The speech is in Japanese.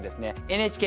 ＮＨＫ